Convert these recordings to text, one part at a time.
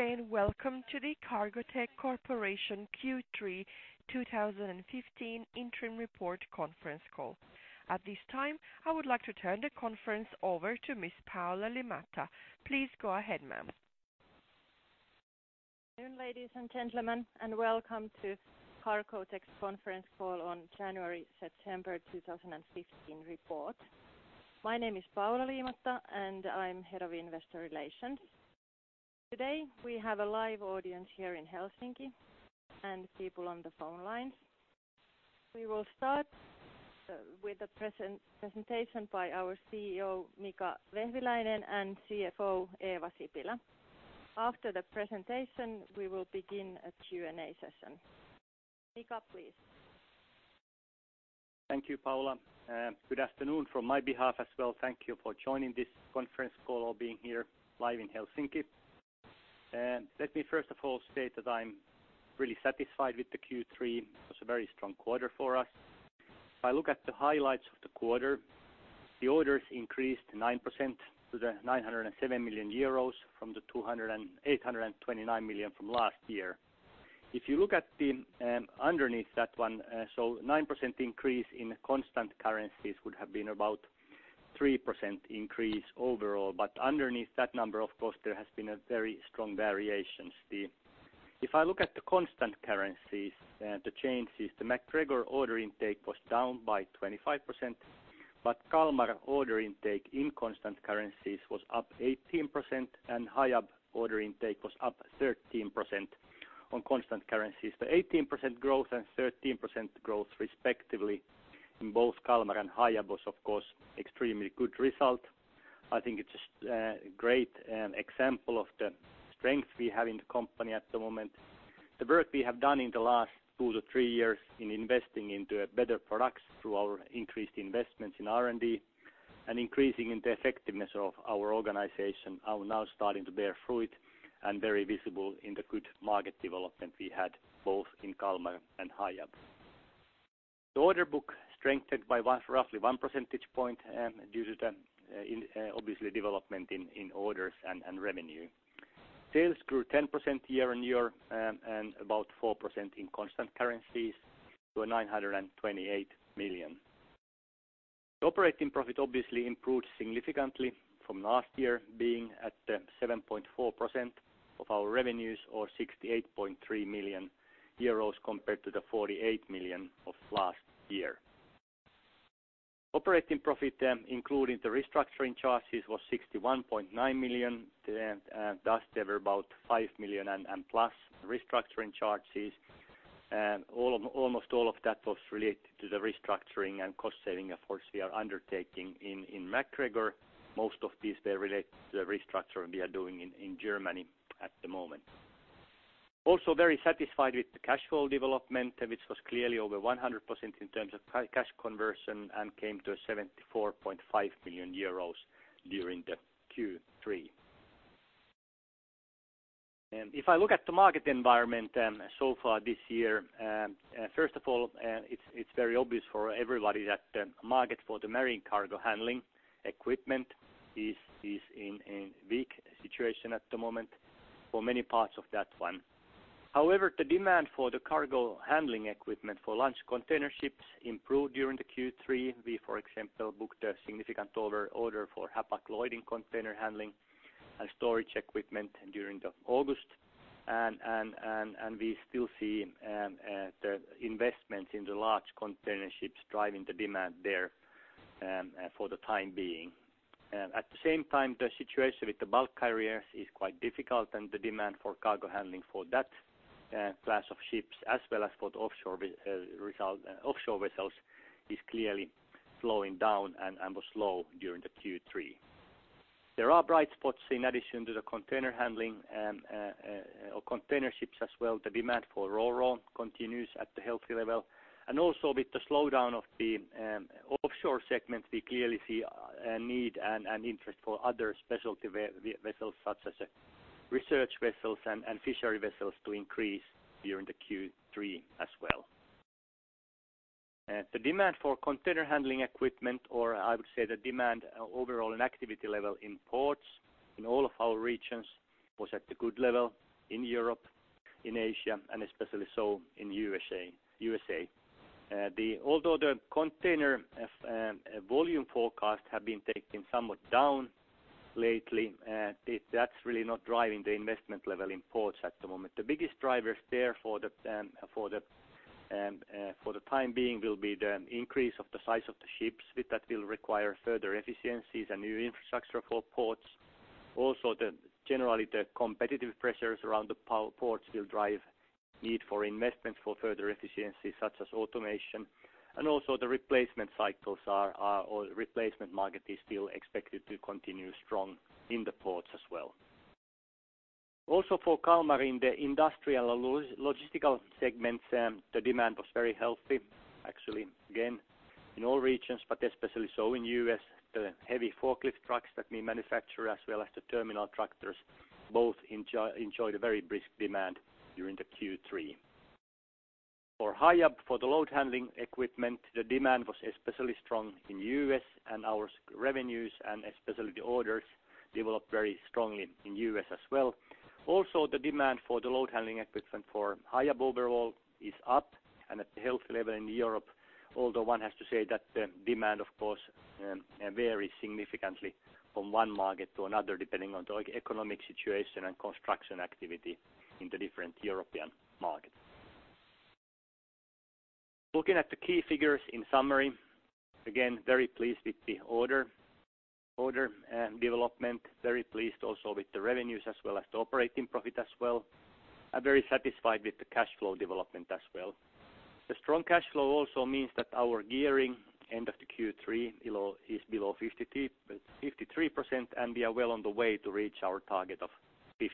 Good day and welcome to the Cargotec Corporation Q3 2015 interim report conference call. At this time, I would like to turn the conference over to Ms. Paula Liimatta. Please go ahead, ma'am. Good afternoon, ladies and gentlemen, and welcome to Cargotec's conference call on January, September 2015 report. My name is Paula Liimatta, and I'm Head of Investor Relations. Today, we have a live audience here in Helsinki and people on the phone lines. We will start with the presentation by our CEO, Mika Vehviläinen, and CFO, Eeva Sipilä. After the presentation, we will begin a Q&A session. Mika, please. Thank you, Paula. Good afternoon from my behalf as well. Thank you for joining this conference call or being here live in Helsinki. Let me first of all state that I'm really satisfied with the Q3. It was a very strong quarter for us. If I look at the highlights of the quarter, the orders increased 9% to 907 million euros from 829 million from last year. If you look at the underneath that one, so 9% increase in constant currencies would have been about 3% increase overall. Underneath that number, of course, there has been a very strong variations. If I look at the constant currencies and the changes, the MacGregor order intake was down by 25%. Kalmar order intake in constant currencies was up 18%. Hiab order intake was up 13% on constant currencies. The 18% growth and 13% growth respectively in both Kalmar and Hiab was, of course, extremely good result. I think it's a great example of the strength we have in the company at the moment. The work we have done in the last two to three years in investing into better products through our increased investments in R&D and increasing in the effectiveness of our organization are now starting to bear fruit and very visible in the good market development we had both in Kalmar and Hiab. The order book strengthened by roughly 1 percentage point due to the obviously development in orders and revenue. Sales grew 10% year-on-year and about 4% in constant currencies to 928 million. The operating profit obviously improved significantly from last year, being at 7.4% of our revenues or 68.3 million euros compared to the 48 million of last year. Operating profit, including the restructuring charges was 61.9 million, thus there were about 5 million and plus restructuring charges. Almost all of that was related to the restructuring and cost saving efforts we are undertaking in MacGregor. Most of these were related to the restructuring we are doing in Germany at the moment. Also very satisfied with the cash flow development, it was clearly over 100% in terms of cash conversion and came to 74.5 million euros during the Q3. If I look at the market environment, so far this year, first of all, it's very obvious for everybody that market for the marine cargo handling equipment is in a weak situation at the moment for many parts of that one. However, the demand for the cargo handling equipment for large container ships improved during the Q3. We, for example, booked a significant order for Hapag-Lloyd container handling and storage equipment during the August. We still see the investment in the large container ships driving the demand there for the time being. At the same time, the situation with the bulk carriers is quite difficult and the demand for cargo handling for that class of ships as well as for the offshore vessels is clearly slowing down and was slow during the Q3. There are bright spots in addition to the container handling or container ships as well. The demand for RoRo continues at the healthy level. Also with the slowdown of the offshore segment, we clearly see a need and interest for other specialty vessels such as research vessels and fishery vessels to increase during the Q3 as well. The demand for container handling equipment, or I would say the demand overall and activity level in ports in all of our regions was at the good level in Europe, in Asia, and especially so in USA. Although the container volume forecast have been taken somewhat down lately, that's really not driving the investment level in ports at the moment. The biggest drivers there for the time being will be the increase of the size of the ships. With that will require further efficiencies and new infrastructure for ports. Also generally, the competitive pressures around the ports will drive need for investment for further efficiency, such as automation. Also the replacement cycles are or replacement market is still expected to continue strong in the ports as well. For Kalmar in the industrial logistical segments, the demand was very healthy, actually again in all regions, but especially so in U.S. The heavy forklift trucks that we manufacture as well as the terminal tractors both enjoyed a very brisk demand during the Q3. For Hiab, for the load handling equipment, the demand was especially strong in U.S., and our revenues and especially the orders developed very strongly in U.S. as well. The demand for the load handling equipment for Hiab overall is up and at a healthy level in Europe. Although one has to say that the demand, of course, vary significantly from one market to another, depending on the economic situation and construction activity in the different European markets. Looking at the key figures in summary, again, very pleased with the order development, very pleased also with the revenues as well as the operating profit as well. I'm very satisfied with the cash flow development as well. The strong cash flow also means that our gearing end of the Q3 is below 53%, and we are well on the way to reach our target of 50%.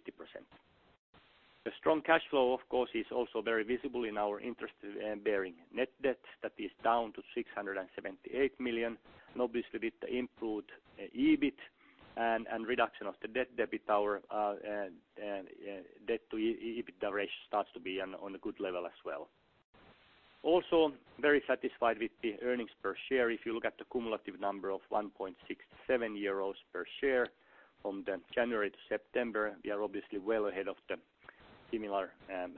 The strong cash flow, of course, is also very visible in our interest bearing net debt that is down to 678 million, obviously with the improved EBIT and reduction of the debt, our debt to EBITDA ratio starts to be on a good level as well. Also, very satisfied with the earnings per share. If you look at the cumulative number of 1.67 euros per share from the January to September, we are obviously well ahead of the similar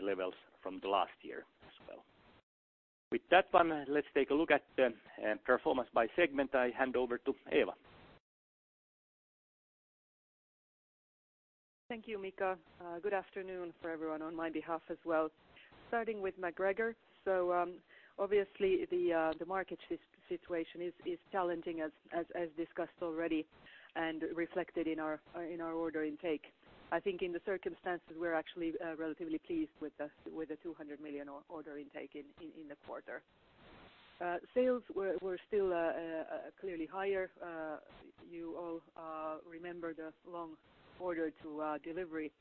levels from the last year as well. With that one, let's take a look at the performance by segment. I hand over to Eeva. Thank you, Mika. Good afternoon for everyone on my behalf as well. Starting with MacGregor, obviously the market situation is challenging as discussed already and reflected in our order intake. I think in the circumstances we're actually relatively pleased with the 200 million order intake in the quarter. Sales were still clearly higher. You all remember the long order to delivery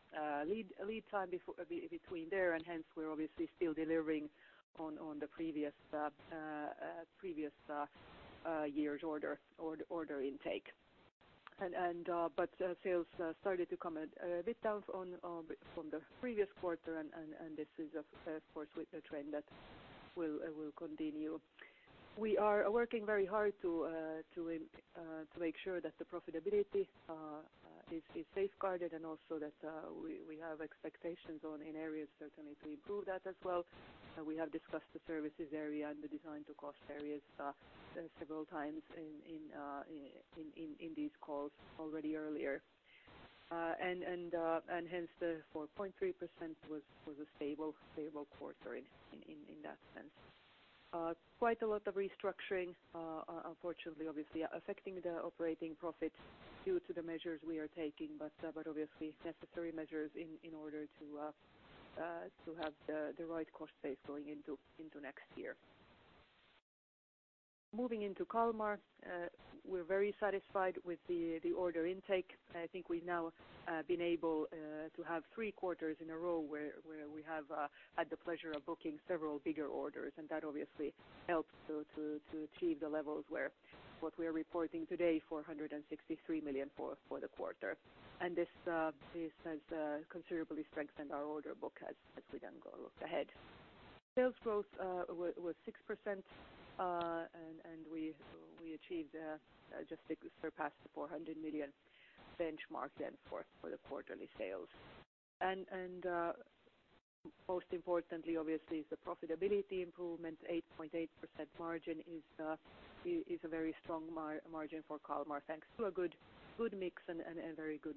lead time between there, and hence we're obviously still delivering on the previous year's order intake. Sales started to come a bit down on from the previous quarter, and this is of course with the trend that will continue. We are working very hard to make sure that the profitability is safeguarded and also that we have expectations on, in areas certainly to improve that as well. We have discussed the services area and the Design to Cost areas several times in these calls already earlier. Hence the 4.3% was a stable quarter in that sense. Quite a lot of restructuring, unfortunately, obviously affecting the operating profit due to the measures we are taking, but obviously necessary measures in order to have the right cost base going into next year. Moving into Kalmar, we're very satisfied with the order intake. I think we've now been able to have three quarters in a row where we have had the pleasure of booking several bigger orders, and that obviously helps to achieve the levels where what we are reporting today, 463 million for the quarter. This has considerably strengthened our order book as we then go look ahead. Sales growth was 6%, and we achieved just surpassed the 400 million benchmark then for the quarterly sales. Most importantly, obviously, is the profitability improvement. 8.8% margin is a very strong margin for Kalmar, thanks to a good mix and very good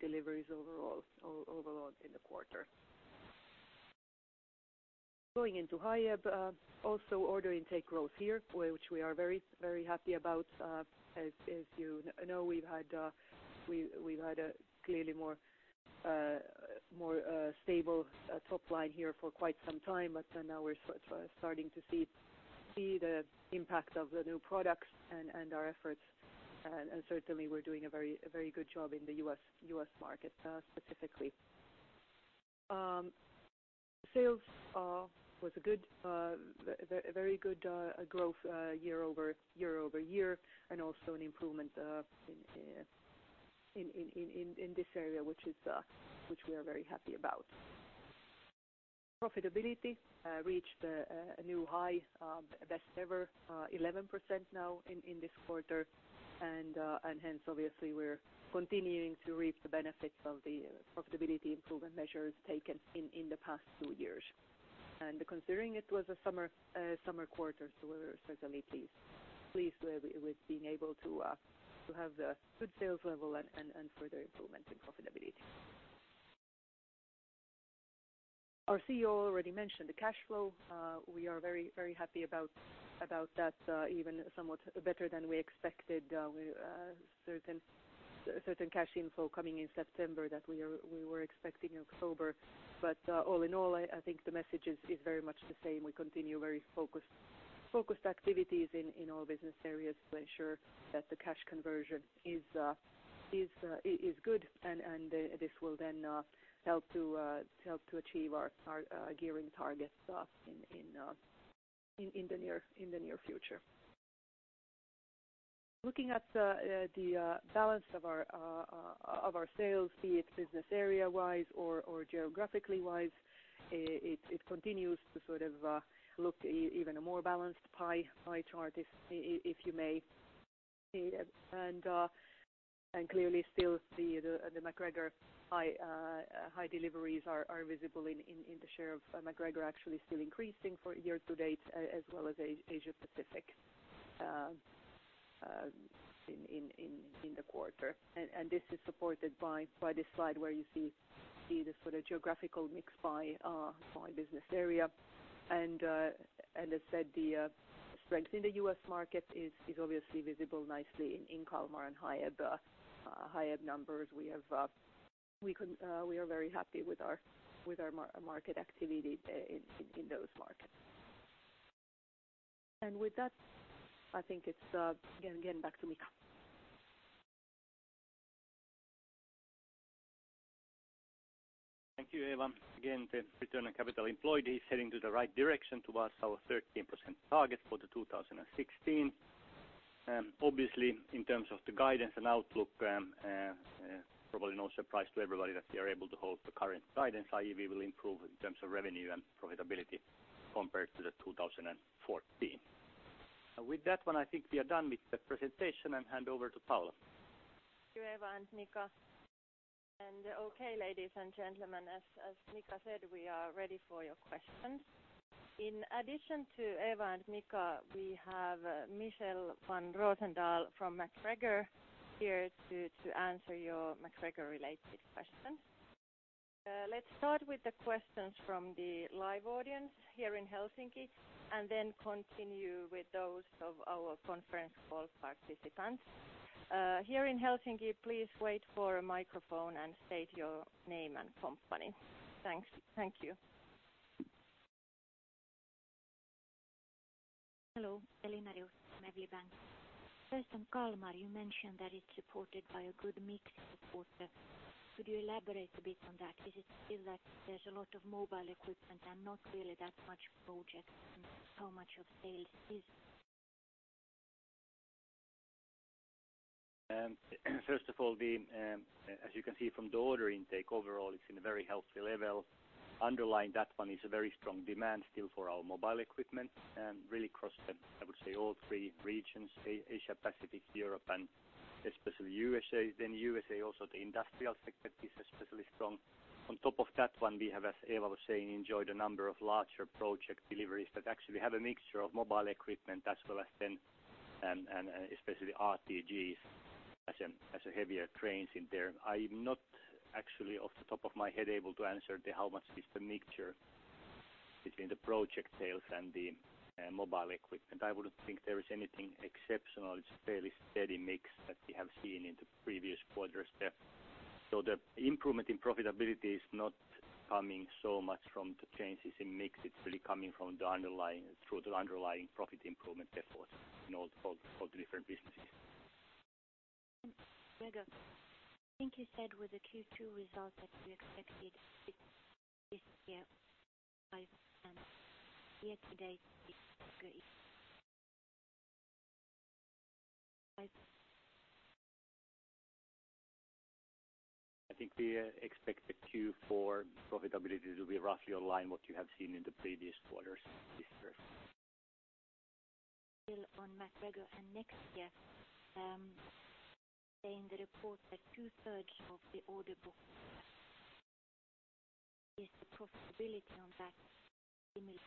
deliveries overall in the quarter. Going into Hiab, also order intake growth here, which we are very, very happy about. As you know, we've had a clearly more stable top line here for quite some time. Now we're sort of starting to see the impact of the new products and our efforts. Certainly, we're doing a very, very good job in the U.S. market specifically. Sales was a very good growth year-over-year, and also an improvement in this area, which we are very happy about. Profitability reached a new high, best ever, 11% now in this quarter. Hence obviously we're continuing to reap the benefits of the profitability improvement measures taken in the past two years. Considering it was a summer quarter, so we're certainly pleased with being able to have the good sales level and further improvement in profitability. Our CEO already mentioned the cash flow. We are very happy about that, even somewhat better than we expected. We certain cash inflow coming in September that we were expecting October. All in all, I think the message is very much the same. We continue very focused activities in our business areas to ensure that the cash conversion is good and this will then help to achieve our gearing targets in the near future. Looking at the balance of our sales, be it business area wise or geographically wise, it continues to sort of look even a more balanced pie chart, if you may. Clearly still the MacGregor high deliveries are visible in the share of MacGregor actually still increasing for year to date as well as Asia Pacific in the quarter. This is supported by this slide where you see the sort of geographical mix by business area. As said, the strength in the U.S. market is obviously visible nicely in Kalmar and Hiab numbers. We are very happy with our market activity in those markets. With that, I think it's again back to Mika. Thank you, Eeva Sipilä. Again, the Return on Capital Employed is heading to the right direction towards our 13% target for 2016. Obviously in terms of the guidance and outlook, probably no surprise to everybody that we are able to hold the current guidance, i.e. We will improve in terms of revenue and profitability compared to 2014. With that one, I think we are done with the presentation and hand over to Paula Liimatta. Thank you, Eeva and Mika. Okay, ladies and gentlemen, as Mika said, we are ready for your questions. In addition to Eeva and Mika, we have Michel van Roozendaal from MacGregor here to answer your MacGregor related questions. Let's start with the questions from the live audience here in Helsinki and then continue with those of our conference call participants. Here in Helsinki, please wait for a microphone and state your name and company. Thanks. Thank you. Hello, Elina from Evli Bank. On Kalmar, you mentioned that it's supported by a good mix support. Could you elaborate a bit on that? Is it still that there's a lot of mobile equipment and not really that much project? How much of sales is? First of all, the, as you can see from the order intake overall, it's in a very healthy level. Underlying that one is a very strong demand still for our mobile equipment and really across the, I would say, all three regions, Asia Pacific, Europe, and especially USA. Then USA also the industrial sector is especially strong. On top of that one, we have, as Eeva was saying, enjoyed a number of larger project deliveries that actually have a mixture of mobile equipment as well as then, and especially RTGs as a, as a heavier cranes in there. I'm not actually off the top of my head able to answer the how much is the mixture between the project sales and the mobile equipment. I wouldn't think there is anything exceptional. It's a fairly steady mix that we have seen in the previous quarters there. The improvement in profitability is not coming so much from the changes in mix. It's really coming through the underlying profit improvement efforts in all the different businesses. MacGregor, I think you said with the Q2 results that you expected this year five, and year to date is good. I think we expect the Q4 profitability to be roughly aligned what you have seen in the previous quarters this year. Still on MacGregor and next year, saying the report that two-thirds of the order book is the profitability on that similar?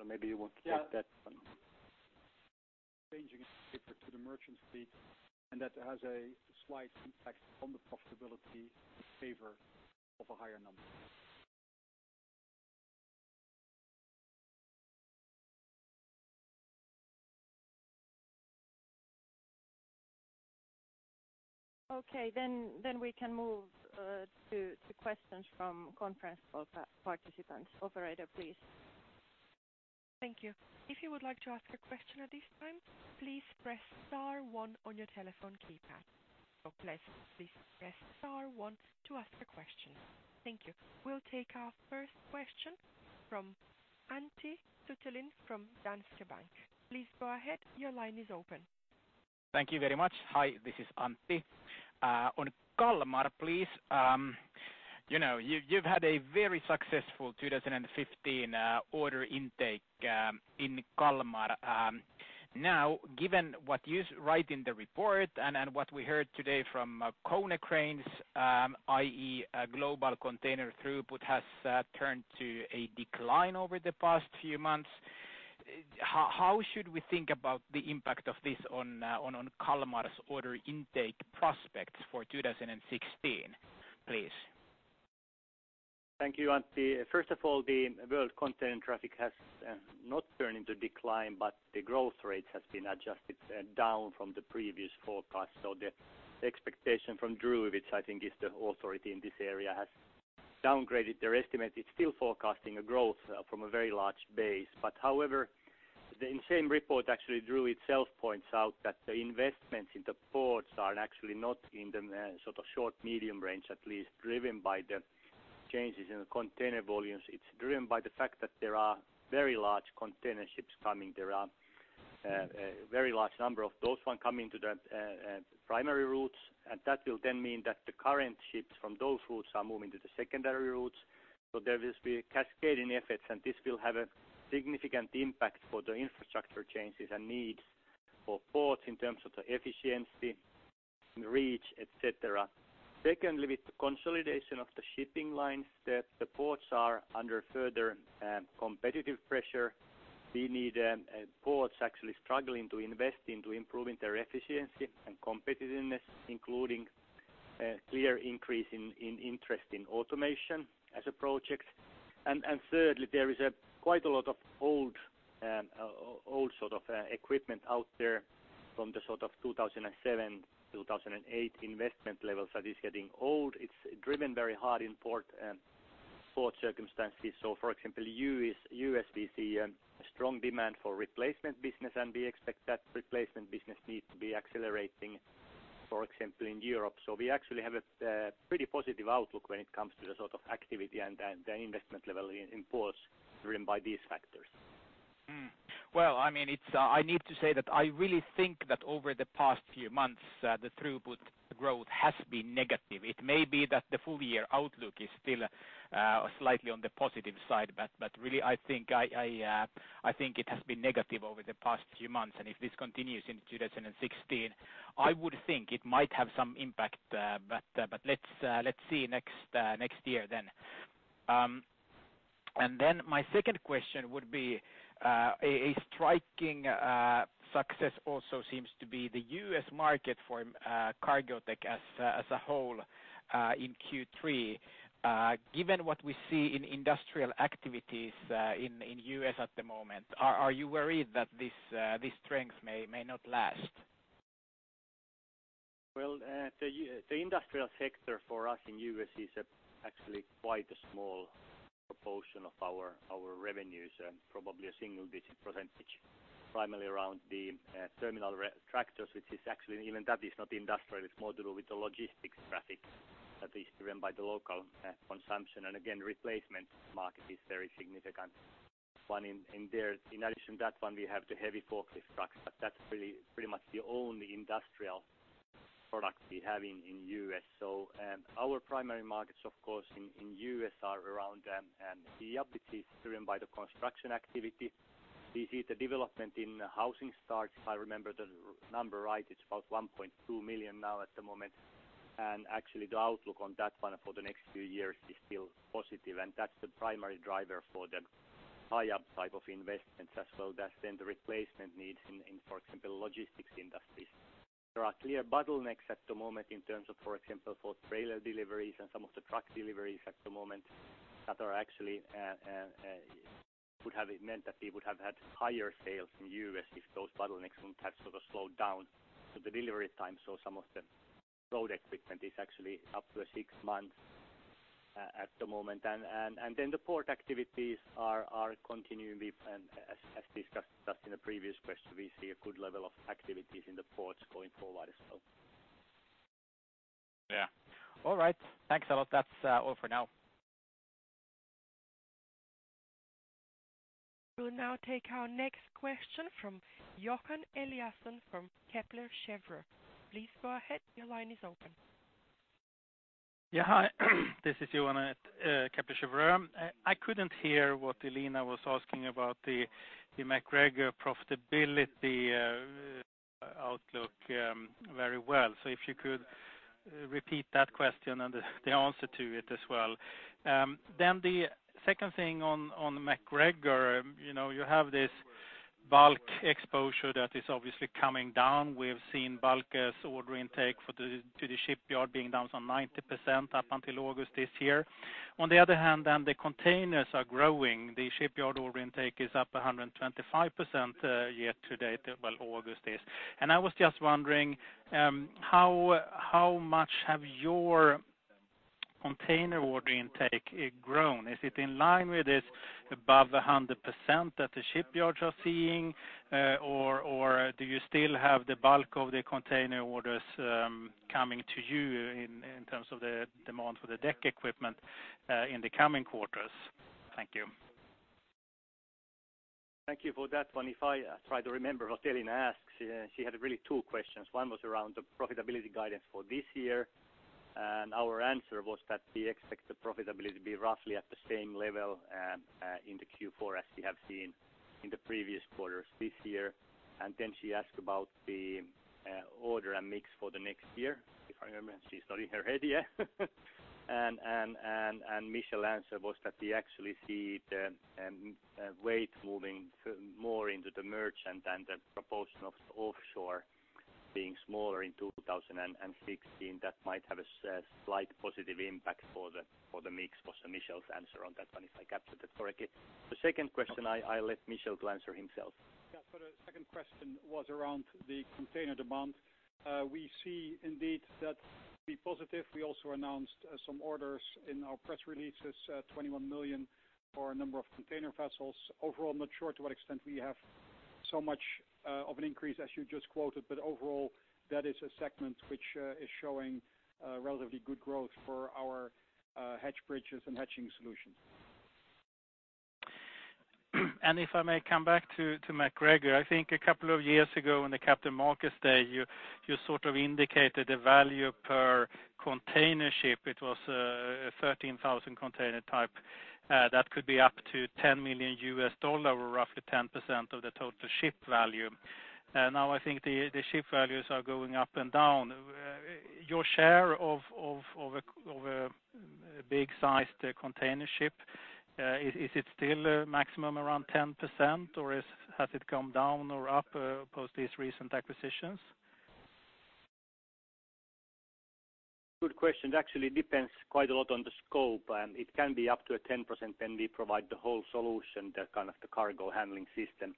Maybe you want to take that one. Changing it to the merchant fleet. That has a slight impact on the profitability in favor of a higher number. Okay. We can move to questions from conference call participants. Operator, please. Thank you. If you would like to ask a question at this time, please press star one on your telephone keypad. Please press star one to ask a question. Thank you. We'll take our first question from Antti Suttelin from Danske Bank. Please go ahead. Your line is open. Thank you very much. Hi, this is Antti Suttelin. On Kalmar, please. You know, you've had a very successful 2015 order intake in Kalmar. Given what you write in the report and what we heard today from Konecranes, i.e., global container throughput has turned to a decline over the past few months. How should we think about the impact of this on Kalmar's order intake prospects for 2016, please? Thank you, Antti Suttelin. First of all, the world container traffic has not turned into decline, but the growth rate has been adjusted down from the previous forecast. The expectation from Drewry, which I think is the authority in this area, has downgraded their estimate. It's still forecasting a growth from a very large base. But however- The same report actually drew itself points out that the investments in the ports are actually not in the sort of short, medium range, at least driven by the changes in the container volumes. It's driven by the fact that there are very large container ships coming. There are a very large number of those one coming to the primary routes, and that will then mean that the current ships from those routes are moving to the secondary routes. There will be cascading effects, and this will have a significant impact for the infrastructure changes and needs for ports in terms of the efficiency and reach, et cetera. Secondly, with the consolidation of the shipping lines, the ports are under further competitive pressure. We need ports actually struggling to invest into improving their efficiency and competitiveness, including a clear increase in interest in automation as a project. Thirdly, there is quite a lot of old equipment out there from the sort of 2007, 2008 investment levels that is getting old. It's driven very hard in port circumstances. For example, U.S. We see a strong demand for replacement business, and we expect that replacement business needs to be accelerating, for example, in Europe. We actually have a pretty positive outlook when it comes to the sort of activity and the investment level in ports driven by these factors. Well, I mean, it's, I need to say that I really think that over the past few months, the throughput growth has been negative. It may be that the full year outlook is still slightly on the positive side, but really I think I think it has been negative over the past few months, and if this continues in 2016, I would think it might have some impact. Let's see next year then. My second question would be, a striking success also seems to be the U.S. market for Cargotec as a whole in Q3. Given what we see in industrial activities, in U.S. at the moment, are you worried that this strength may not last? The industrial sector for us in U.S. is actually quite a small proportion of our revenues, probably a single-digit percentage, primarily around the terminal tractors, which is actually even that is not industrial. It's more to do with the logistics traffic that is driven by the local consumption. Replacement market is very significant one in there. In addition to that one, we have the heavy forklift trucks, but that's really pretty much the only industrial product we have in U.S. Our primary markets of course in U.S. are around the up that is driven by the construction activity. We see the development in housing starts. If I remember the number right, it's about 1.2 million now at the moment. Actually the outlook on that one for the next few years is still positive, and that's the primary driver for the Hiab type of investments as well as then the replacement needs in, for example, logistics industries. There are clear bottlenecks at the moment in terms of, for example, for trailer deliveries and some of the truck deliveries at the moment that are actually would have meant that we would have had higher sales in U.S. if those bottlenecks wouldn't have sort of slowed down. The delivery time, some of the road equipment is actually up to a six months at the moment. Then the port activities are continuing with as discussed just in the previous question. We see a good level of activities in the ports going forward as well. Yeah. All right. Thanks a lot. That's all for now. We'll now take our next question from Johan Eliason from Kepler Cheuvreux. Please go ahead. Your line is open. Hi. This is Johan at Kepler Cheuvreux. I couldn't hear what Elina was asking about the MacGregor profitability outlook very well. If you could repeat that question and the answer to it as well. The second thing on MacGregor, you know, you have this bulk exposure that is obviously coming down. We have seen bulk as order intake for the to the shipyard being down some 90% up until August this year. On the other hand, then the containers are growing. The shipyard order intake is up 125% year to date, well August is. I was just wondering how much have your container order intake, it grown? Is it in line with this above 100% that the shipyards are seeing? Do you still have the bulk of the container orders, coming to you in terms of the demand for the deck equipment, in the coming quarters? Thank you. Thank you for that one. If I try to remember what Elina asked, she had really two questions. One was around the profitability guidance for this year, our answer was that we expect the profitability to be roughly at the same level in the Q4 as we have seen in the previous quarters this year. She asked about the order and mix for the next year, if I remember. She's nodding her head, yeah. Michel answer was that we actually see the weight moving more into the merchant and the proportion of offshore being smaller in 2016. That might have a slight positive impact for the mix was Michel's answer on that one, if I captured it correctly. The second question I'll let Michel to answer himself. Yeah. For the second question was around the container demand. We see indeed that be positive. We also announced some orders in our press releases, 21 million for a number of container vessels. Overall, I'm not sure to what extent we have so much of an increase as you just quoted, but overall, that is a segment which is showing relatively good growth for our lashing bridges and hatch solutions. If I may come back to MacGregor, I think a couple of years ago when the Capital Markets Day, you sort of indicated the value per container ship, it was 13,000 container type that could be up to $10 million or roughly 10% of the total ship value. Now I think the ship values are going up and down. Your share of a big sized container ship, is it still maximum around 10% or has it come down or up post these recent acquisitions? Good question. Actually, it depends quite a lot on the scope, and it can be up to a 10% when we provide the whole solution, the kind of the cargo handling system.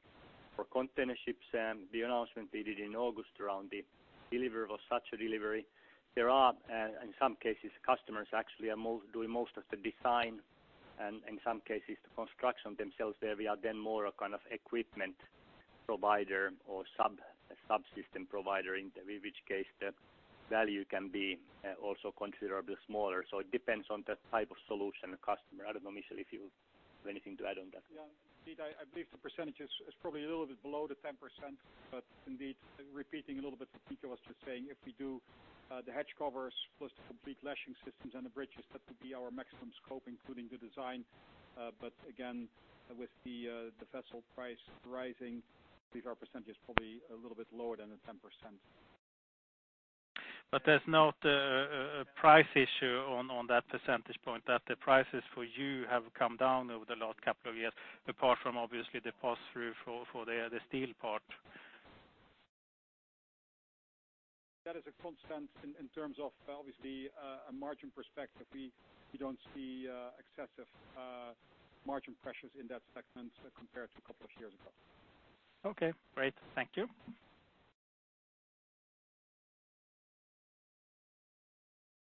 For container ships, the announcement they did in August around the delivery of such a delivery. There are, in some cases, customers actually doing most of the design and in some cases the construction themselves. There we are then more a kind of equipment provider or sub-subsystem provider in which case the value can be also considerably smaller. It depends on the type of solution the customer. I don't know, Michel, if you have anything to add on that? Yeah. Indeed, I believe the percentage is probably a little bit below the 10%. Indeed, repeating a little bit what Peter was just saying, if we do the hatch covers plus the complete lashing systems and the bridges, that would be our maximum scope, including the design. Again, with the vessel price rising, these are percentages probably a little bit lower than the 10%. There's not a price issue on that percentage point, that the prices for you have come down over the last couple of years, apart from obviously the pass through for the steel part. That is a constant in terms of obviously, a margin perspective. We don't see excessive margin pressures in that segment compared to a couple of years ago. Okay, great. Thank you.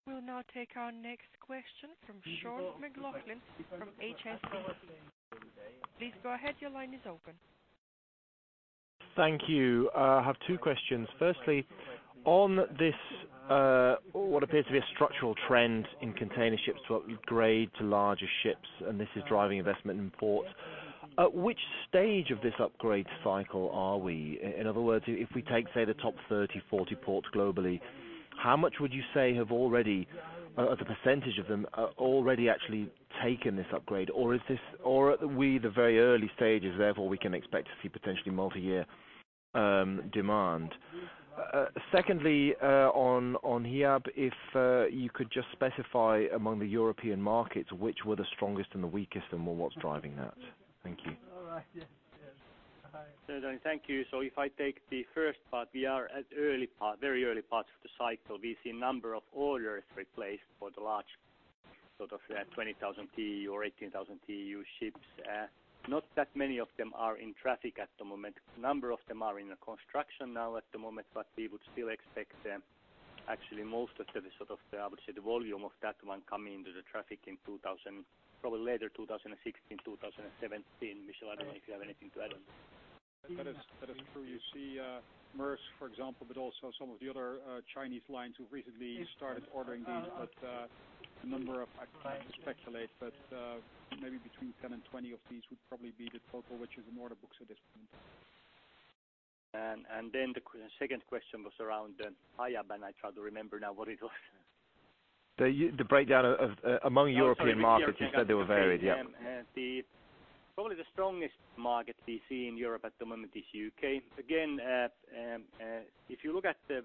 We'll now take our next question from Sean McLoughlin from HSBC. Please go ahead. Your line is open. Thank you. I have two questions. Firstly, on this, what appears to be a structural trend in container ships to upgrade to larger ships. This is driving investment in ports. At which stage of this upgrade cycle are we? In other words, if we take, say, the top 30, 40 ports globally, how much would you say have already, as a percentage of them, already actually taken this upgrade? Or are we the very early stages, therefore, we can expect to see potentially multi-year demand. Secondly, on Hiab, if you could just specify among the European markets, which were the strongest and the weakest and what's driving that? Thank you. All right. Yes. Yes. Thank you. If I take the first part, we are at early part, very early parts of the cycle. We see a number of orders replaced for the large sort of, 20,000 TEU or 18,000 TEU ships. Not that many of them are in traffic at the moment. Number of them are in construction now at the moment, but we would still expect, actually most of the sort of the, I would say, the volume of that one coming into the traffic in 2000, probably later 2016, 2017. Michel, I don't know if you have anything to add on this. That is true. You see, Maersk, for example, but also some of the other Chinese lines who've recently started ordering these. A number of, I'd like to speculate, but maybe between 10 and 20 of these would probably be the total, which is in order books at this point. The second question was around Hiab, and I try to remember now what it was. The breakdown of among European markets. You said they were varied. Yeah. Probably the strongest market we see in Europe at the moment is U.K. Again, if you look at the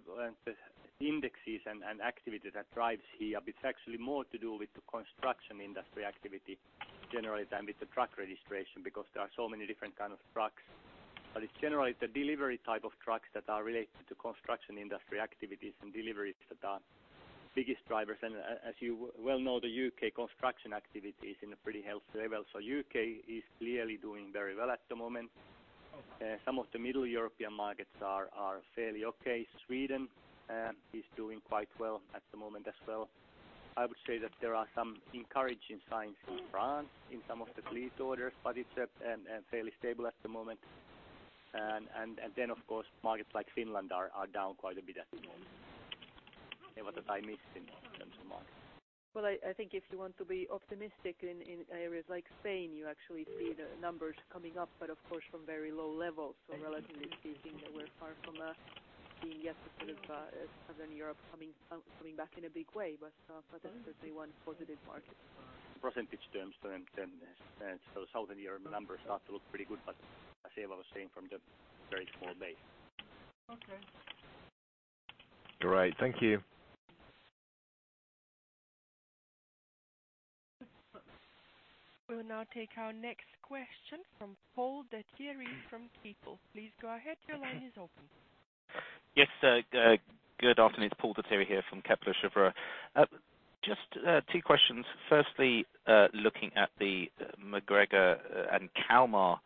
indexes and activity that drives here, it's actually more to do with the construction industry activity generally than with the truck registration because there are so many different kind of trucks. It's generally the delivery type of trucks that are related to construction industry activities and deliveries that are biggest drivers. As you well know, the U.K. construction activity is in a pretty healthy level. U.K. is clearly doing very well at the moment. Some of the Middle European markets are fairly okay. Sweden is doing quite well at the moment as well. I would say that there are some encouraging signs in France in some of the fleet orders, but it's fairly stable at the moment. Then, of course, markets like Finland are down quite a bit at the moment. What did I miss in terms of market? Well, I think if you want to be optimistic in areas like Spain, you actually see the numbers coming up, but of course, from very low levels. Relatively speaking, we're far from being yet a sort of Southern Europe coming coming back in a big way. That's certainly one positive market. Percentage terms then, Southern Europe numbers start to look pretty good. I say what I was saying from the very small base. Okay. Great. Thank you. We will now take our next question from Paul de la Tissière from Stifel. Please go ahead. Your line is open. Yes, sir. Good afternoon. It's Paul de la Tissière here from Kepler Cheuvreux. Just two questions. Firstly, looking at the MacGregor and Kalmar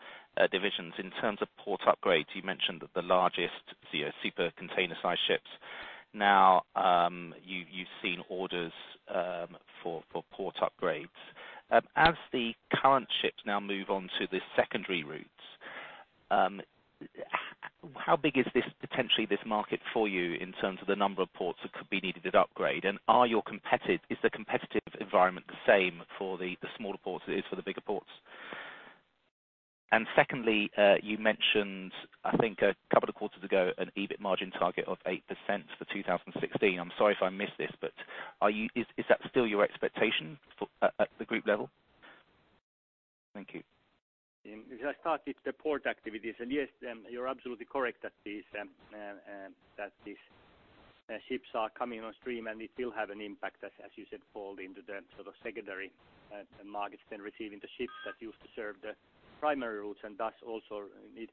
divisions in terms of port upgrades, you mentioned that the largest, the super container size ships now, you've seen orders for port upgrades. As the current ships now move on to the secondary routes, how big is this, potentially this market for you in terms of the number of ports that could be needed at upgrade? Is the competitive environment the same for the smaller ports as it is for the bigger ports? Secondly, you mentioned, I think a couple of quarters ago, an EBIT margin target of 8% for 2016. I'm sorry if I missed this, but are you... Is that still your expectation for at the group level? Thank you. If I start with the port activities, and yes, you're absolutely correct that these ships are coming on stream, and it will have an impact, as you said, fall into the sort of secondary markets then receiving the ships that used to serve the primary routes, and thus also need.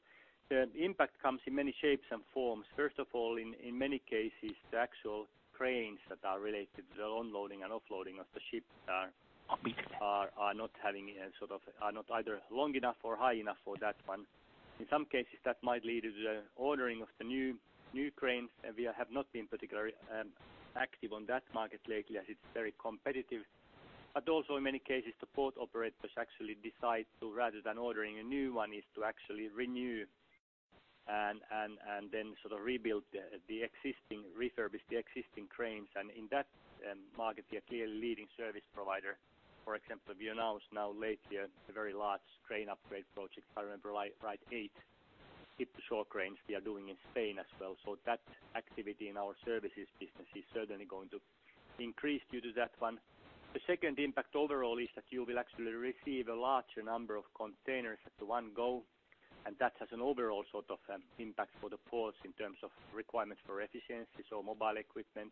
The impact comes in many shapes and forms. First of all, in many cases, the actual cranes that are related to the onloading and offloading of the ships are not having a sort of, are not either long enough or high enough for that one. In some cases, that might lead to the ordering of the new cranes. We have not been particularly active on that market lately as it's very competitive. Also in many cases, the port operators actually decide to, rather than ordering a new one, is to actually renew and then sort of refurbish the existing cranes. In that market, we are clearly a leading service provider. For example, we announced now lately a very large crane upgrade project. If I remember, like eight ship-to-shore cranes we are doing in Spain as well. That activity in our services business is certainly going to increase due to that one. The second impact overall is that you will actually receive a larger number of containers at one go, and that has an overall sort of impact for the ports in terms of requirements for efficiency, so mobile equipment,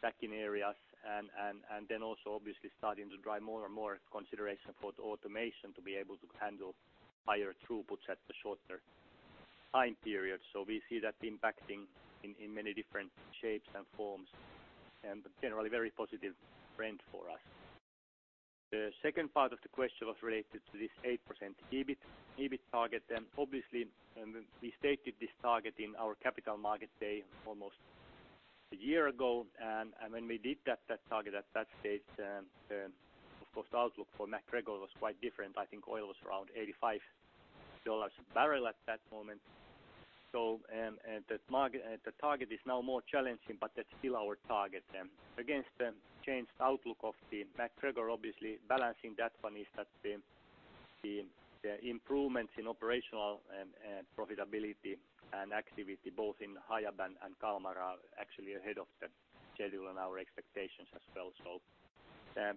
backing areas, and then also obviously starting to drive more and more consideration for the automation to be able to handle higher throughputs at the shorter time period. We see that impacting in many different shapes and forms and generally very positive trend for us. The second part of the question was related to this 8% EBIT target, and obviously, we stated this target in our Capital Markets Day almost a year ago. When we did that target at that stage, of course the outlook for MacGregor was quite different. I think oil was around $85 a barrel at that moment. The target is now more challenging, but that's still our target. Against the changed outlook of the MacGregor, obviously balancing that one is that the improvements in operational and profitability and activity both in Hiab and Kalmar are actually ahead of the schedule and our expectations as well.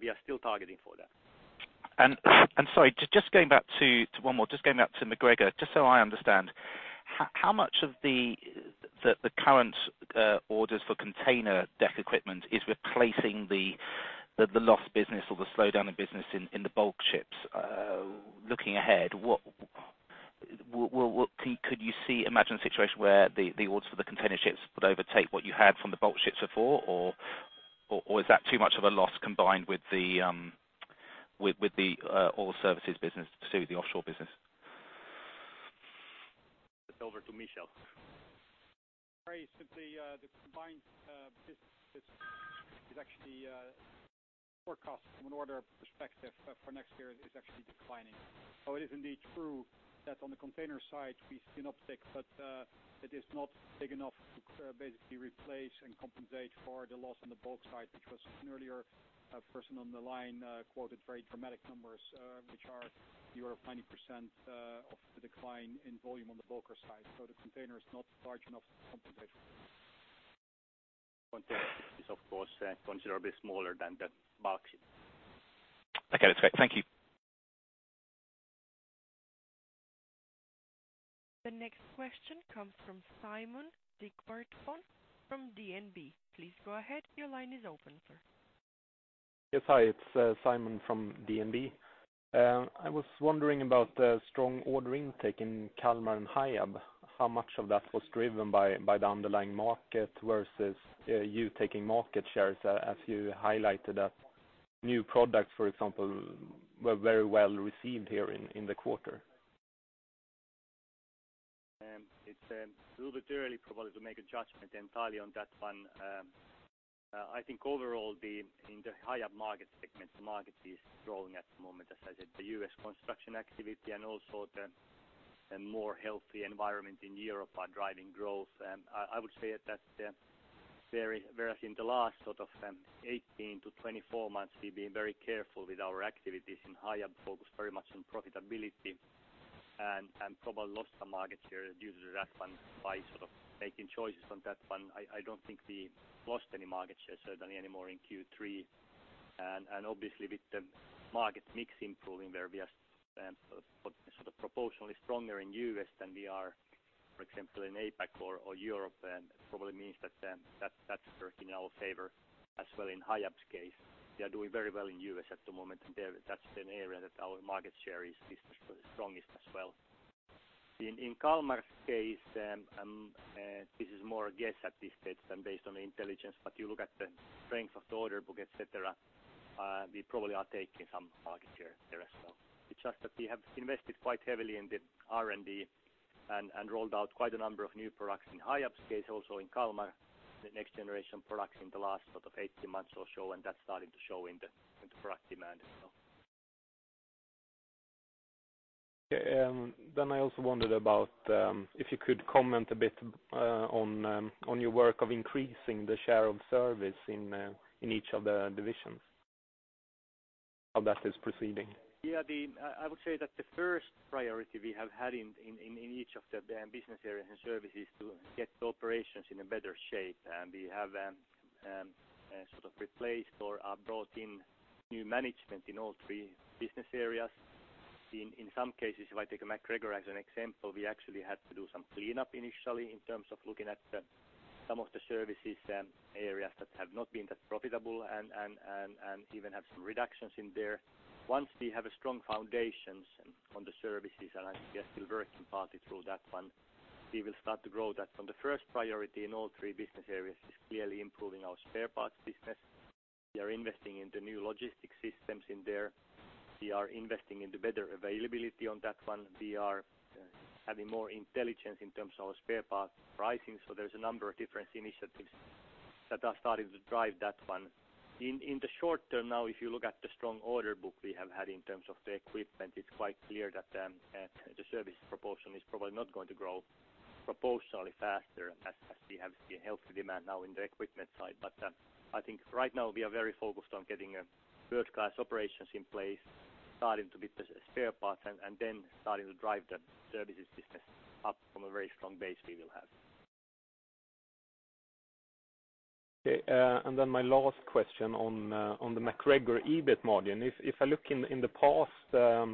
We are still targeting for that. Sorry, just going back to one more, just going back to MacGregor, just so I understand, how much of the current orders for container deck equipment is replacing the lost business or the slowdown in business in the bulk ships? Looking ahead, what could you see, imagine a situation where the orders for the container ships would overtake what you had from the bulk ships before? Or is that too much of a loss combined with the oil services business, excuse me, the offshore business? Over to Michel. Very simply, the combined business is actually forecast from an order perspective for next year is actually declining. It is indeed true that on the container side we see an uptick. It is not big enough to basically replace and compensate for the loss on the bulk side, which was an earlier person on the line quoted very dramatic numbers, which are near 20% of the decline in volume on the bulker side. The container is not large enough to compensate for that. Container is, of course, considerably smaller than the bulk ship. Okay. That's great. Thank you. The next question comes from Simon Dybvik Tønnesson from DNB. Please go ahead. Your line is open, sir. Yes. Hi. It's Simon from DNB. I was wondering about the strong order intake in Kalmar and Hiab. How much of that was driven by the underlying market versus you taking market shares, as you highlighted that new products, for example, were very well received here in the quarter? It's a little bit early probably to make a judgment entirely on that one. I think overall the, in the higher market segments, the market is growing at the moment. As I said, the U.S. construction activity also the more healthy environment in Europe are driving growth. I would say that very, whereas in the last sort of 18-24 months, we've been very careful with our activities in Hiab, focused very much on profitability, probably lost some market share due to that one by sort of making choices on that one. I don't think we lost any market share certainly anymore in Q3. Obviously with the market mix improving where we are, sort of proportionally stronger in U.S. than we are, for example, in APAC or Europe, probably means that's working in our favor as well in Hiab's case. We are doing very well in U.S. at the moment, and there, that's an area that our market share is the strongest as well. In Kalmar's case, this is more a guess at this stage than based on intelligence. You look at the strength of the order book, et cetera, we probably are taking some market share there as well. It's just that we have invested quite heavily in the R&D and rolled out quite a number of new products in Hiab's case, also in Kalmar, the next generation products in the last sort of 18 months or so, and that's starting to show in the product demand as well. I also wondered about if you could comment a bit on your work of increasing the share of service in each of the divisions? How that is proceeding. Yeah. I would say that the first priority we have had in each of the business areas and services to get the operations in a better shape. We have sort of replaced or brought in new management in all three business areas. In some cases, if I take MacGregor as an example, we actually had to do some cleanup initially in terms of looking at some of the services areas that have not been that profitable and even have some reductions in there. Once we have a strong foundations on the services, and I think we are still working partly through that one, we will start to grow that. The first priority in all three business areas is clearly improving our spare parts business. We are investing in the new logistics systems in there. We are investing in the better availability on that one. We are adding more intelligence in terms of our spare parts pricing. There's a number of different initiatives that are starting to drive that one. In the short term now, if you look at the strong order book we have had in terms of the equipment, it's quite clear that the service proportion is probably not going to grow proportionally faster as we have seen healthy demand now in the equipment side. I think right now we are very focused on getting world-class operations in place, starting with the spare parts and then starting to drive the services business up from a very strong base we will have. Okay. My last question on the MacGregor EBIT margin. If I look in the past,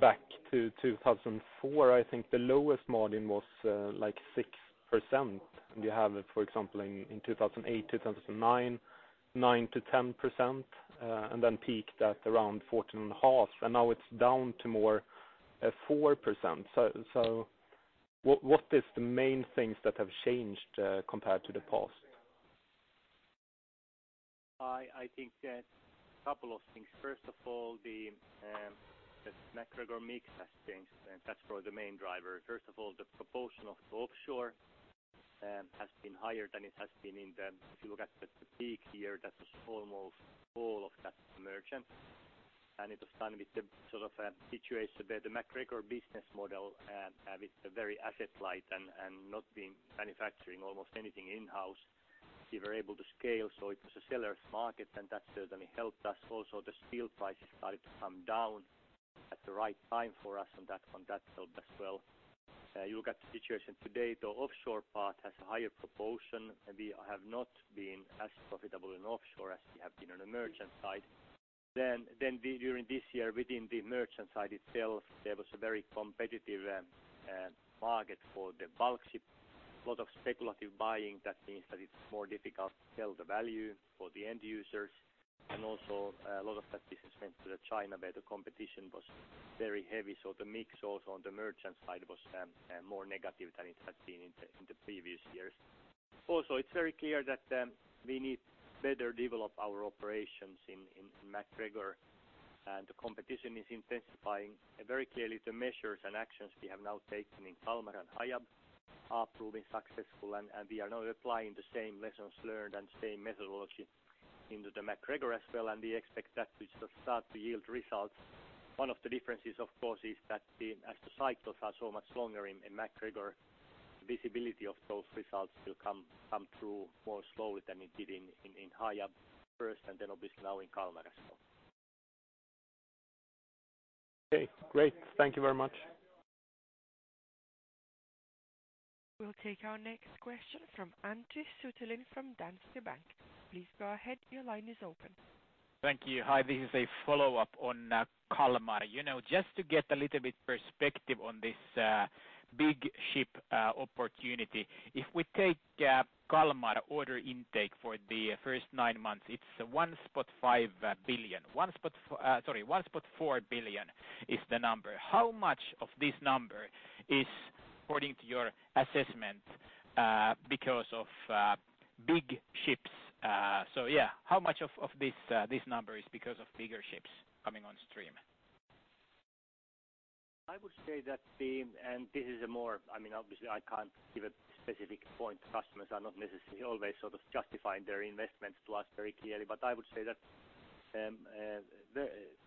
back to 2004, I think the lowest margin was like 6%. You have it, for example, in 2008, 2009, 9%-10%, peaked at around 14.5%, now it's down to more 4%. What is the main things that have changed compared to the past? I think that couple of things. First of all, the MacGregor mix has changed, and that's probably the main driver. First of all, the proportion of the offshore has been higher than it has been in the. If you look at the peak year, that was almost all of that merchant. It was done with the sort of situation where the MacGregor business model with the very asset light and not being manufacturing almost anything in-house, we were able to scale. It was a seller's market, and that certainly helped us. The steel prices started to come down at the right time for us on that one. That helped as well. You look at the situation today, the offshore part has a higher proportion, and we have not been as profitable in offshore as we have been on the merchant side. During this year, within the merchant side itself, there was a very competitive market for the bulk ship. A lot of speculative buying that means that it's more difficult to tell the value for the end users. Also a lot of that business went to China, where the competition was very heavy. The mix also on the merchant side was more negative than it had been in the previous years. It's very clear that we need to better develop our operations in MacGregor, and the competition is intensifying. Very clearly the measures and actions we have now taken in Kalmar and Hiab are proving successful, and we are now applying the same lessons learned and same methodology into MacGregor as well, and we expect that to sort of start to yield results. One of the differences, of course, is that as the cycles are so much longer in MacGregor, the visibility of those results will come through more slowly than it did in Hiab first and then obviously now in Kalmar as well. Okay. Great. Thank you very much. We'll take our next question from Antti Suttelin from Danske Bank. Please go ahead. Your line is open. Thank you. Hi. This is a follow-up on Kalmar. You know, just to get a little bit perspective on this big ship opportunity. If we take Kalmar order intake for the first nine months, it's 1.5 billion. 1.4 billion is the number. How much of this number is according to your assessment because of big ships? How much of this number is because of bigger ships coming on stream? I would say that the, and this is a more, I mean, obviously I can't give a specific point. Customers are not necessarily always sort of justifying their investments to us very clearly. I would say that,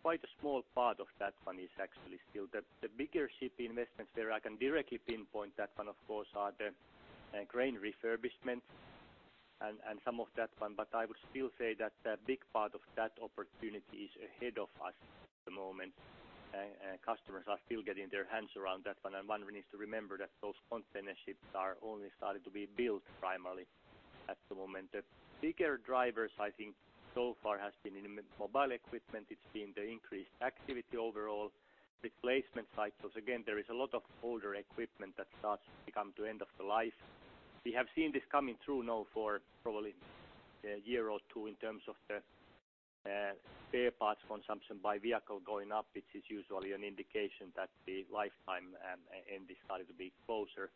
quite a small part of that one is actually still bigger ship investments where I can directly pinpoint that one of course are crane refurbishment and some of that one. I would still say that a big part of that opportunity is ahead of us at the moment. Customers are still getting their hands around that one. One needs to remember that those container ships are only starting to be built primarily at the moment. The bigger drivers, I think so far has been in mobile equipment. It's been the increased activity overall. Replacement cycles, again, there is a lot of older equipment that starts to come to end of the life. We have seen this coming through now for probably a year or two in terms of the spare parts consumption by vehicle going up, which is usually an indication that the lifetime end is starting to be closer.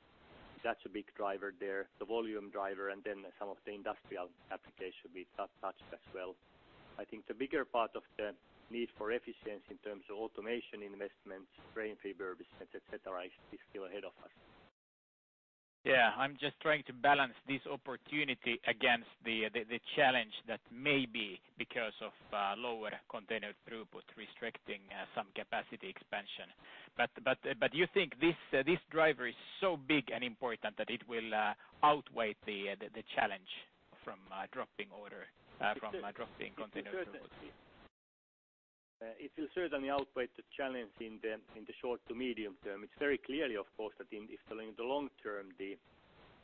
That's a big driver there, the volume driver, and then some of the industrial application we touched as well. I think the bigger part of the need for efficiency in terms of automation investments, train refurbishments, et cetera, is still ahead of us. Yeah. I'm just trying to balance this opportunity against the challenge that may be because of lower container throughput restricting some capacity expansion. You think this driver is so big and important that it will outweigh the challenge from dropping order from dropping container throughput? It will certainly outweigh the challenge in the short to medium term. It's very clearly, of course, that in the long term, the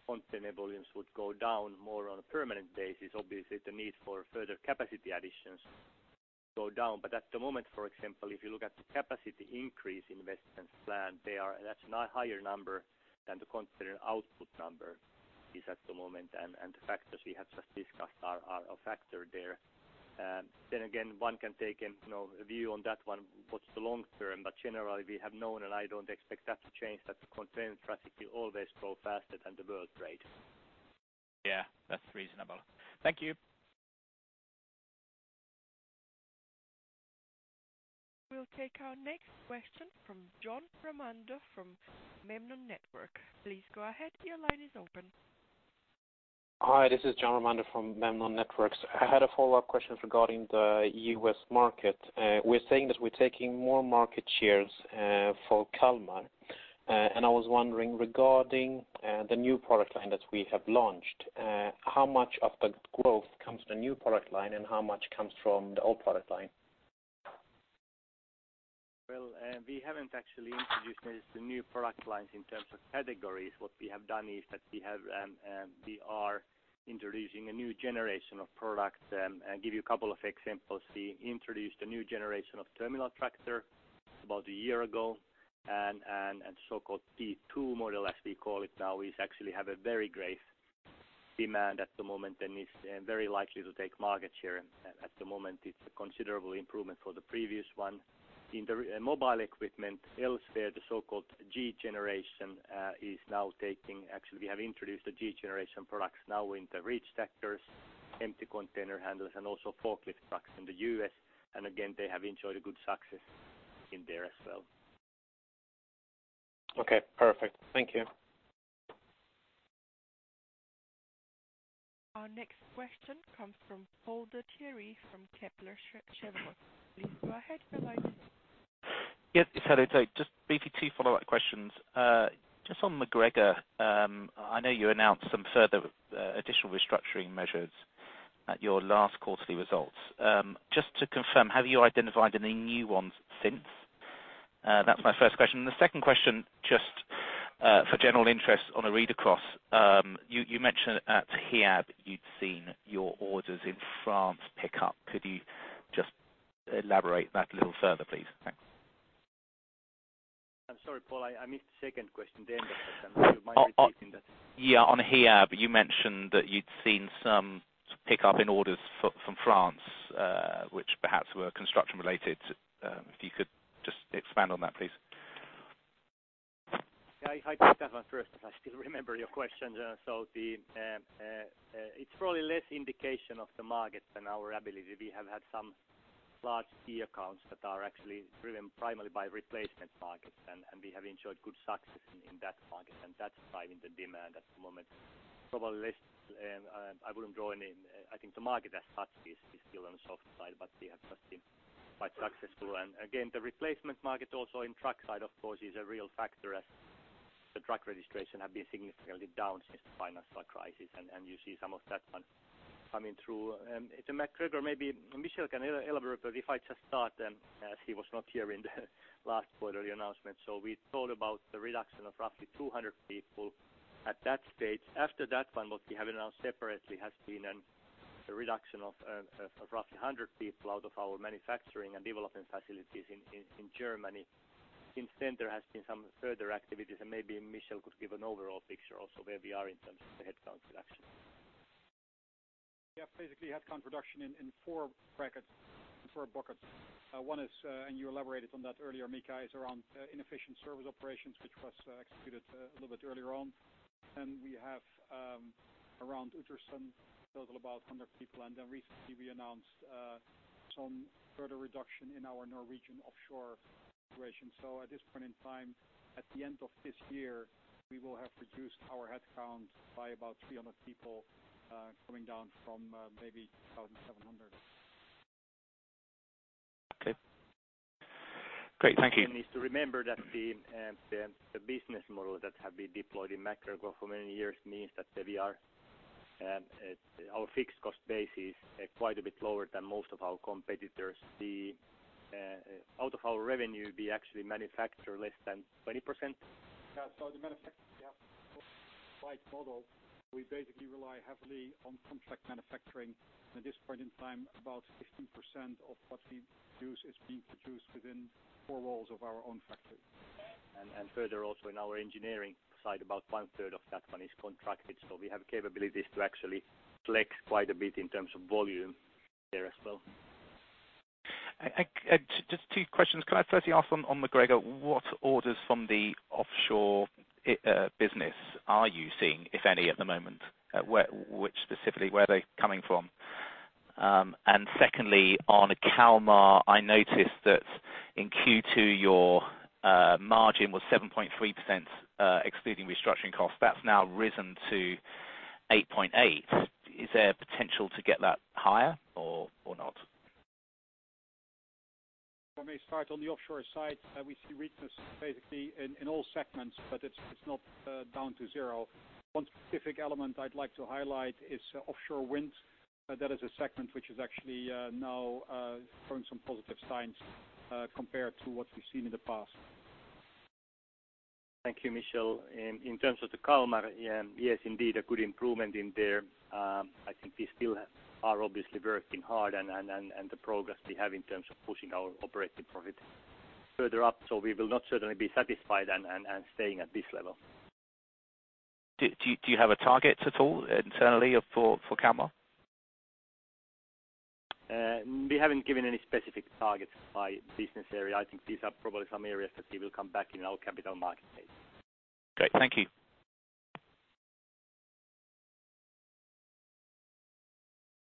container volumes would go down more on a permanent basis. Obviously, the need for further capacity additions go down. At the moment, for example, if you look at the capacity increase investment plan, That's not higher number than the container output number is at the moment, and the factors we have just discussed are a factor there. Then again, one can take an, you know, a view on that one, what's the long term. Generally, we have known, and I don't expect that to change, that the container traffic will always grow faster than the world trade. Yeah, that's reasonable. Thank you. We'll take our next question from Johan Dahl from Danske Bank. Please go ahead. Your line is open. Hi, this is Johan Dahl from Danske Bank. I had a follow-up question regarding the US market. We're saying that we're taking more market shares for Kalmar. I was wondering, regarding the new product line that we have launched, how much of the growth comes from the new product line and how much comes from the old product line? Well, we haven't actually introduced these, the new product lines in terms of categories. What we have done is that we have, we are introducing a new generation of products. I'll give you a couple of examples. We introduced a new generation of terminal tractor about a year ago. So-called T2 model, as we call it now, is actually have a very great demand at the moment and is very likely to take market share. At the moment, it's a considerable improvement for the previous one. In the mobile equipment elsewhere, the so-called G-Generation, is now taking. Actually, we have introduced the G-Generation products now in the reachstackers, empty container handles, and also forklift trucks in the U.S. Again, they have enjoyed a good success in there as well. Okay, perfect. Thank you. Our next question comes from Paul de Tissière from Kepler Cheuvreux. Please go ahead. Your line is open. Yes, it's Paul de Tissieres. Just BPT follow-up questions. Just on MacGregor, I know you announced some further additional restructuring measures at your last quarterly results. Just to confirm, have you identified any new ones since? That's my first question. The second question, just for general interest on a read across, you mentioned at Hiab you'd seen your orders in France pick up. Could you just elaborate that a little further, please? Thanks. I'm sorry, Paul, I missed the second question there. Would you mind repeating that? Yeah. On Hiab, you mentioned that you'd seen some pick up in orders from France, which perhaps were construction related. If you could just expand on that, please? Yeah, I take that one first, if I still remember your question. The, it's probably less indication of the market than our ability. We have had some large key accounts that are actually driven primarily by replacement markets, and we have enjoyed good success in that market, and that's driving the demand at the moment. Probably less, I think the market as such is still on the soft side, but we have just been quite successful. Again, the replacement market also in truck side, of course, is a real factor as the truck registration have been significantly down since the financial crisis. You see some of that one coming through. The MacGregor, maybe Michel can elaborate, but if I just start, as he was not here in the last quarterly announcement. We thought about the reduction of roughly 200 people at that stage. After that one, what we have announced separately has been a reduction of roughly 100 people out of our manufacturing and development facilities in Germany. Since then, there has been some further activities. Maybe Michel could give an overall picture also where we are in terms of the headcount reduction. Basically, headcount reduction in four brackets, in four buckets. One is, and you elaborated on that earlier, Mika, is around inefficient service operations, which was executed a little bit earlier on. We have around Hudiksvall, total about 100 people. Recently we announced some further reduction in our Norwegian offshore operations. At this point in time, at the end of this year, we will have reduced our headcount by about 300 people, coming down from maybe 1,700. Okay. Great. Thank you. Is to remember that the business model that have been deployed in MacGregor for many years means that we are our fixed cost base is quite a bit lower than most of our competitors. The out of our revenue, we actually manufacture less than 20%. Yeah. Yeah, right model, we basically rely heavily on contract manufacturing. At this point in time, about 15%What we use is being produced within four walls of our own factory. Further also in our engineering side, about one-third of that one is contracted. We have capabilities to actually flex quite a bit in terms of volume there as well. Just two questions. Can I first ask on MacGregor, what orders from the offshore business are you seeing, if any, at the moment? Which specifically, where are they coming from? Secondly, on Kalmar, I noticed that in Q2, your margin was 7.3%, excluding restructuring costs. That's now risen to 8.8%. Is there potential to get that higher or not? Let me start on the offshore side. We see weakness basically in all segments, but it's not down to zero. One specific element I'd like to highlight is offshore wind. That is a segment which is actually now showing some positive signs compared to what we've seen in the past. Thank you, Michel. In terms of the Kalmar, yes, indeed, a good improvement in there. I think we still are obviously working hard and the progress we have in terms of pushing our operating profit further up. We will not certainly be satisfied and staying at this level. Do you have a target at all internally for Kalmar? We haven't given any specific targets by business area. I think these are probably some areas that we will come back in our Capital Market Day. Great. Thank you.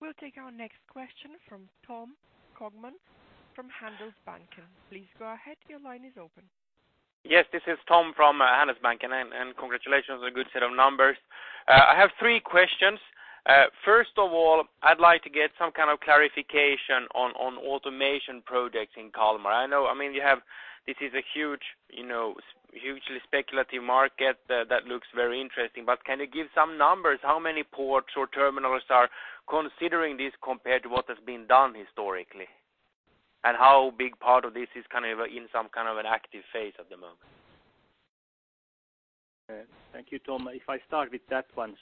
We'll take our next question from Tom Skogman from Handelsbanken. Please go ahead. Your line is open. Yes, this is Tom from Handelsbanken. Congratulations on a good set of numbers. I have three questions. First of all, I'd like to get some kind of clarification on automation projects in Kalmar. I mean, you have, this is a huge, you know, hugely speculative market that looks very interesting. Can you give some numbers? How many ports or terminals are considering this compared to what has been done historically? How big part of this is kind of in some kind of an active phase at the moment? Thank you, Tom. If I start with that one.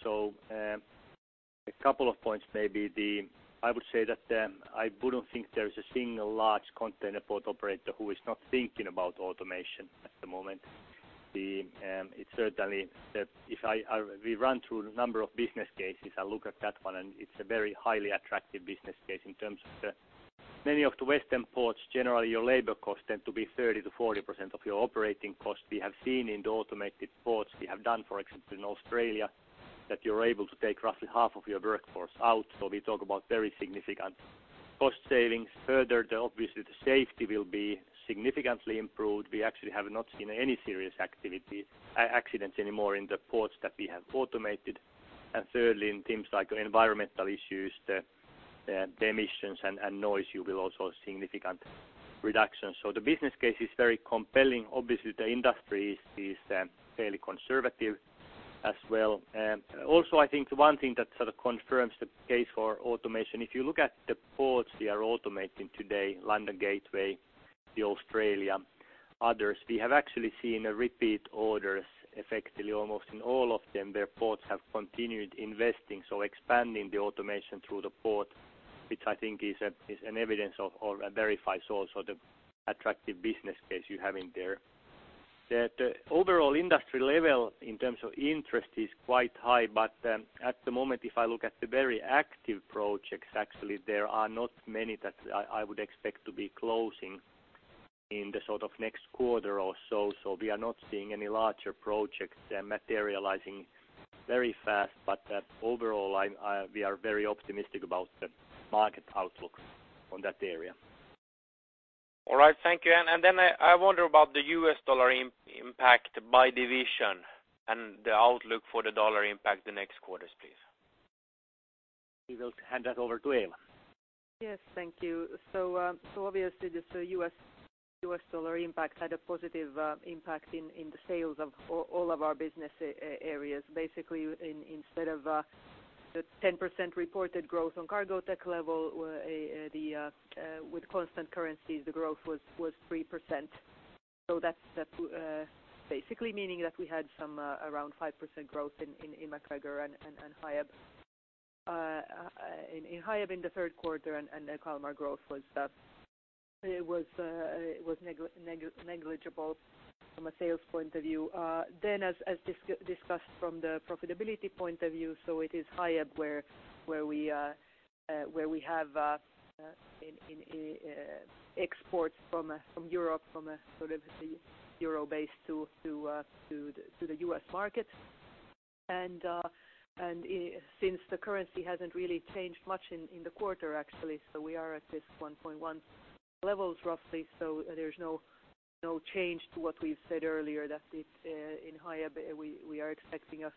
A couple of points maybe. I would say that I wouldn't think there's a single large container port operator who is not thinking about automation at the moment. It certainly, if we run through a number of business cases. I look at that one, and it's a very highly attractive business case in terms of the many of the Western ports. Generally, your labor costs tend to be 30%-40% of your operating costs. We have seen in the automated ports we have done, for example, in Australia, that you're able to take roughly half of your workforce out. We talk about very significant cost savings. Further, obviously the safety will be significantly improved. We actually have not seen any serious accidents anymore in the ports that we have automated. Thirdly, in things like environmental issues, the emissions and noise, you will also have significant reductions. The business case is very compelling. Obviously, the industry is fairly conservative as well. Also, I think the one thing that sort of confirms the case for automation, if you look at the ports we are automating today, London Gateway, the Australia, others, we have actually seen a repeat orders effectively almost in all of them. Their ports have continued investing, so expanding the automation through the port, which I think is an evidence of, or verifies also the attractive business case you have in there. The overall industry level in terms of interest is quite high. At the moment, if I look at the very active projects, actually there are not many that I would expect to be closing in the sort of next quarter or so. We are not seeing any larger projects, materializing very fast. Overall, I'm, we are very optimistic about the market outlook on that area. All right. Thank you. Then I wonder about the US dollar impact by division and the outlook for the dollar impact the next quarters, please. We will hand that over to Eeva. Yes. Thank you. Obviously the U.S. dollar impact had a positive impact in the sales of all of our business areas. Basically instead of the 10% reported growth on Cargotec level, with constant currencies, the growth was 3%. That's basically meaning that we had some around 5% growth in MacGregor and Hiab. In Hiab in the third quarter and Kalmar growth was negligible from a sales point of view. As discussed from the profitability point of view, it is Hiab where we have exports from Europe from a sort of the EUR base to the U.S. market. Since the currency hasn't really changed much in the quarter actually, we are at this 1.1 levels roughly. There's no change to what we've said earlier that in Hiab we are expecting a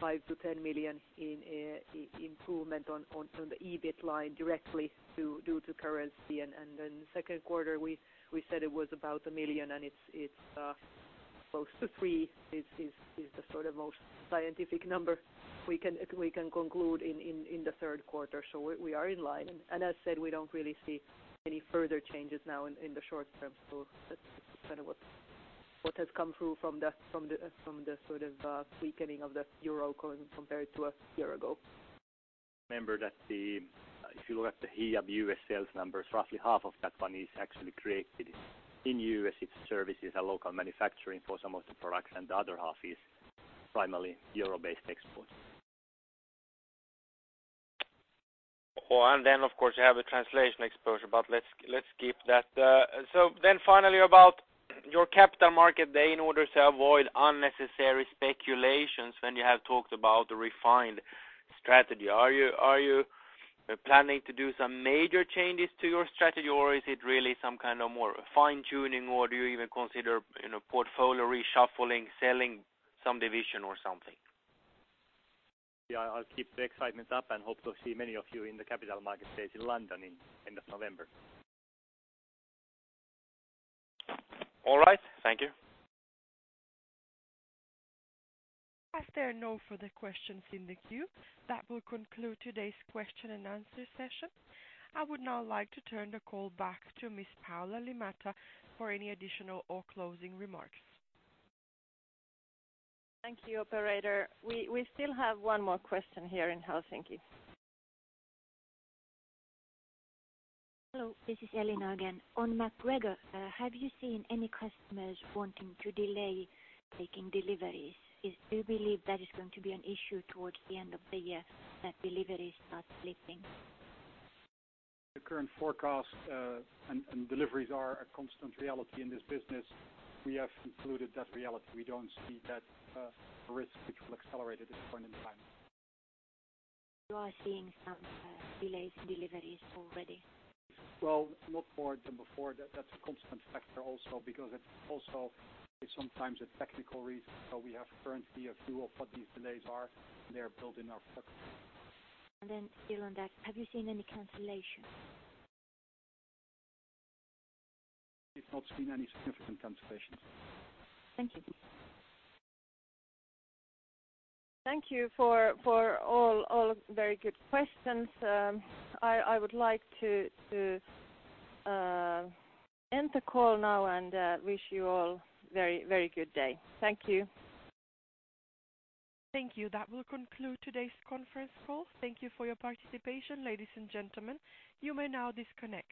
5 million-10 million improvement on the EBIT line directly due to currency. Second quarter we said it was about 1 million and it's close to 3 million is the sort of most scientific number we can conclude in the third quarter. We are in line. As said, we don't really see any further changes now in the short term. That's kind of what. What has come through from the sort of, weakening of the euro coin compared to a year ago. Remember that if you look at the heat of U.S. sales numbers, roughly half of that one is actually created in U.S. It services a local manufacturing for some of the products. The other half is primarily Euro-based export. Of course, you have a translation exposure, let's keep that. Finally about your Capital Markets Day in order to avoid unnecessary speculations when you have talked about the refined strategy. Are you planning to do some major changes to your strategy, or is it really some kind of more fine-tuning, or do you even consider, you know, portfolio reshuffling, selling some division or something? Yeah, I'll keep the excitement up and hope to see many of you in the Capital Markets stage in London in end of November. All right. Thank you. As there are no further questions in the queue, that will conclude today's question and answer session. I would now like to turn the call back to Miss Paula Liimatta for any additional or closing remarks. Thank you, operator. We still have one more question here in Helsinki. Hello, this is Elina again. On MacGregor, have you seen any customers wanting to delay making deliveries? Do you believe that is going to be an issue towards the end of the year that deliveries start slipping? The current forecast, and deliveries are a constant reality in this business. We have included that reality. We don't see that risk, which will accelerate at this point in time. You are seeing some delays in deliveries already? Not more than before. That's a constant factor also because it also is sometimes a technical reason. We have currently a view of what these delays are, and they are built in our product. Still on that, have you seen any cancellations? We've not seen any significant cancellations. Thank you. Thank you for all of the very good questions. I would like to end the call now and wish you all very good day. Thank you. Thank you. That will conclude today's conference call. Thank you for your participation, ladies and gentlemen. You may now disconnect.